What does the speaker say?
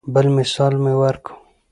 بل مثال مې ورکو.